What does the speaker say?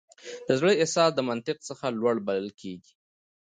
د زړه احساس د منطق څخه لوړ بلل کېږي.